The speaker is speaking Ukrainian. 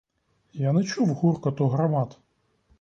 Я не чув гуркоту гармат.